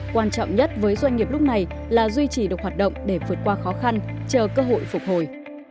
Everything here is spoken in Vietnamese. quan trọng nhất với doanh nghiệp lúc này là duy trì được hoạt động để vượt qua khó khăn chờ cơ hội phục hồi